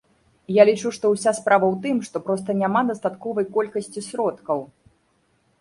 Я лічу, што ўся справа ў тым, што проста няма дастатковай колькасці сродкаў.